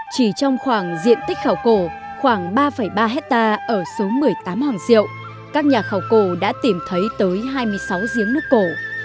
chỉ trong khoảng diện tích khảo cổ khoảng ba ba hectare ở số một mươi tám hoàng diệu các nhà khảo cổ đã tìm thấy tới hai mươi sáu giếng nước cổ